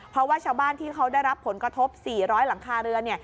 เพราะว่าชาวบ้านที่เขาได้รับผลกระทบ๔๐๐หลังคาเรือน